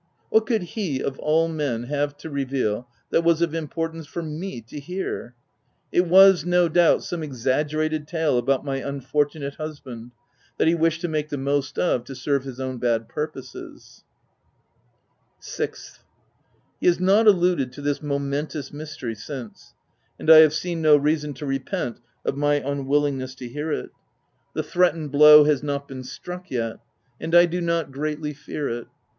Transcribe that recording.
What could he of all men, have to reveal that was of importance for me to hear? It was, no doubt some exagge rated tale about my unfortunate husband, that he wished to make the most of to serve his own bad purposes. 6th. He has not alluded to this momentous mystery since ; and I have seen no reason to repent of my unwillingness to hear it. The 272 THE TENANT threatened blow has not been struck yet ; and I do not greatly fear it.